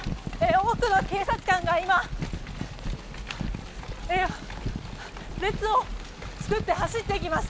多くの警察官が今列を作って走っていきます。